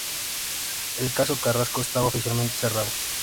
El Caso Carrasco estaba oficialmente cerrado.